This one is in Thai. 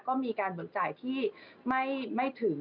ก็มีการเบิกจ่ายที่ไม่ถึง